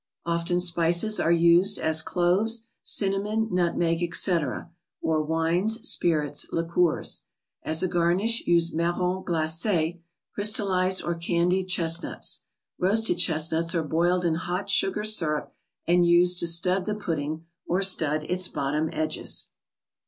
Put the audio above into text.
Often spices are used, as cloves, cinnamon, nutmeg, etc.; or wines, spirits, liqueurs. As a garnish use marronsglacis, crystalized or candied chest¬ nuts. Roasted chestnuts are boiled in hot sugar syrup, and used to stud the pudding, or stud its bottom edges.